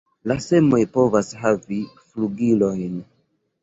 La semoj povas havi flugilojn.